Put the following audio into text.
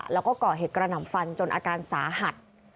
แล้วก็ก่อเหตุกระหน่ำฟันจนอาการสาหัส